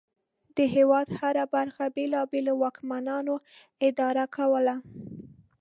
د هېواد هره برخه بېلابېلو واکمنانو اداره کوله.